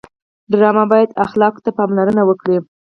ډرامه باید اخلاقو ته پاملرنه وکړي